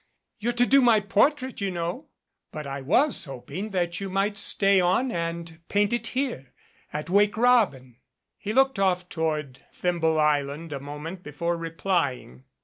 You're to do my portrait, you know? But I was hoping that you might stay on and paint it here at 'Wake Robin'!" He looked off toward Thimble Island a moment before replying.